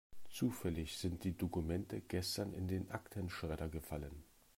Zufällig sind die Dokumente gestern in den Aktenschredder gefallen.